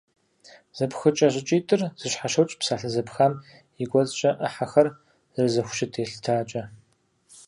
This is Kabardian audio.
Зэпхыкӏэ щӏыкӏитӏыр зэщхьэщокӏ псалъэ зэпхам и кӏуэцӏкӏэ ӏыхьэхэр зэрызэхущыт елъытакӏэ.